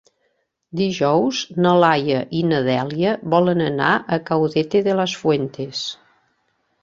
Dijous na Laia i na Dèlia volen anar a Caudete de las Fuentes.